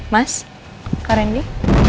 mas kak randy